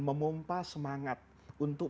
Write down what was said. memompah semangat untuk